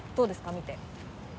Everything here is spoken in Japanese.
見て。